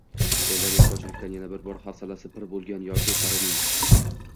Endi dehqonchilikdan yana bir bor hafsalasi pir bo‘lgan yoshu qarining